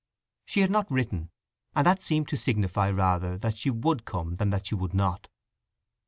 She had not written, and that seemed to signify rather that she would come than that she would not.